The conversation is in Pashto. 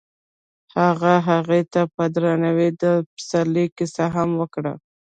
هغه هغې ته په درناوي د پسرلی کیسه هم وکړه.